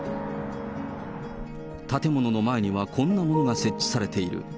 建物の前にはこんなものが設置されている。